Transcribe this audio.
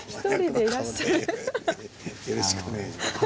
よろしくお願いします。